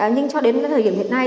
nhưng cho đến thời điểm hiện nay